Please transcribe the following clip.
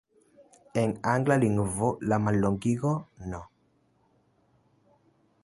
En angla lingvo, la mallongigo "No.